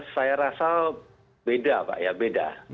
saya rasa beda pak ya beda